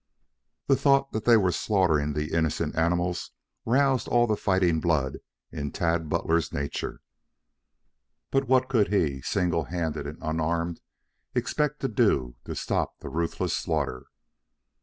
The thought that they were slaughtering the innocent animals roused all the fighting blood in Tad Butler's nature. But what could he, single handed and unarmed, expect to do to stop the ruthless slaughter?